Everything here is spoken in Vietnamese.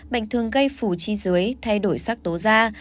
bệnh thường gây phủ chi dưới thay đổi sắc tố da